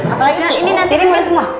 apa lagi tiring boleh semua